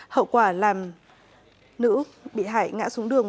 hậu quả làm nữ bị hại ngã xuống đường